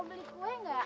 mbak mau beli kue enggak